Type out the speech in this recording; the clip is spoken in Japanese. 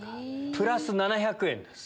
プラス７００円です。